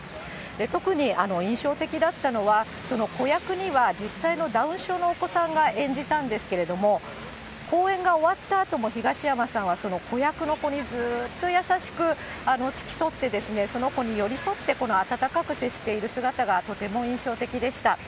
特に、印象的だったのは、その子役には、実際のダウン症のお子さんが演じたんですけれども、公演が終わったあとも、東山さんはその子役の子にずっと優しく付き添ってですね、その子に寄り添って温かく接している姿がとても印象的でした。